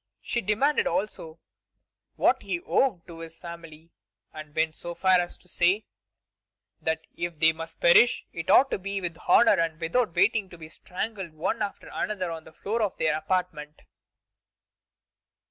She demanded, also, what he owed to his family, and went so far as to say that if they must perish, it ought to be with honor, and without waiting to be strangled one after another on the floor of their apartment."